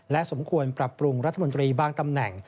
และสมควรปรับปรุงรัฐมนตรีบางตำแหน่ง